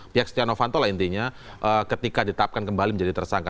pihak stiano fanto lah intinya ketika ditapkan kembali menjadi tersangka